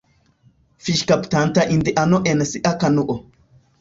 Fiŝkaptanta indiano en sia kanuo.